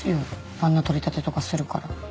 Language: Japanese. あんな取り立てとかするから。